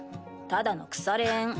ただの腐れ縁。